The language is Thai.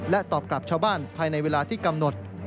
ตอบกลับชาวบ้านภายในเวลาที่กำหนด